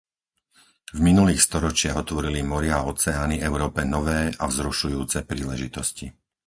V minulých storočiach otvorili moria a oceány Európe nové a vzrušujúce príležitosti.